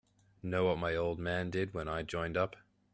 Know what my old man did when I joined up?